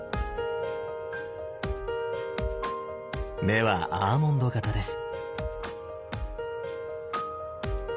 目はアーモンド形です。